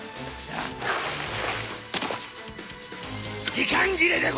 時間切れでござる。